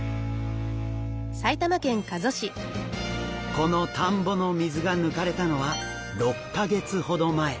この田んぼの水が抜かれたのは６か月ほど前。